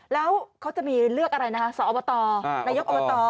แล้วเขาจะมีเลือกอะไรนะคะสอบตนายกอบต